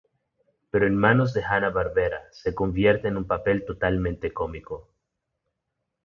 Pero en manos de Hanna-Barbera, se convierte en un papel totalmente cómico.